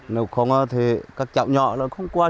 nếu không thì các cháu nhỏ là không qua sông